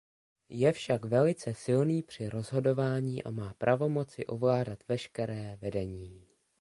Je však velice silný při rozhodování a má pravomoci ovládat veškeré vedení.